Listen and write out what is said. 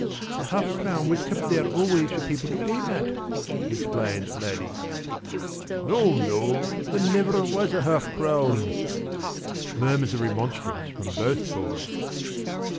p> "The half crown was kept there always for people to aim at," explained Laddie. "No, no, there never was a half crown." Murmurs of remonstrance from both boys.